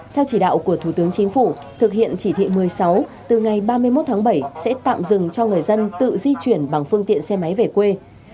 theo chỉ đạo của thủ tướng chính phủ thực hiện chỉ thị một mươi sáu từ ngày ba mươi một tháng bảy sẽ tạm dừng cho người dân tự di chuyển bằng phương tiện xe máy về quê